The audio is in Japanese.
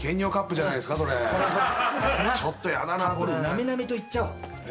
なみなみといっちゃおう。